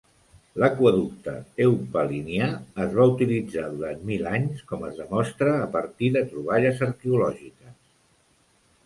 L'Aqüeducte Eupalinià es va utilitzar durant mil anys, com es demostra a partir de troballes arqueològiques.